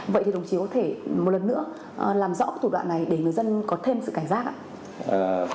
vậy thì đồng chí có thể một lần nữa làm rõ thủ đoạn này để người dân có thêm sự cảnh giác ạ